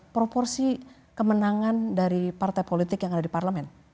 proporsi kemenangan dari partai politik yang ada di parlemen